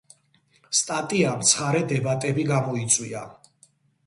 სტატიამ ცხარე დებატები გამოიწვია.